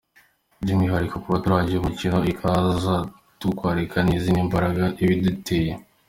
By’umwihariko kuba turangije umukino ikaza kutwakira, ni izindi mbaraga iba iduteye.